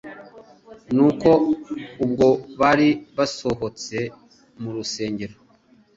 Nuko ubwo bari basohotse mu rusengero